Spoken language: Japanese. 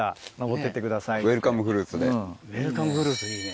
ウェルカムフルーツいいね。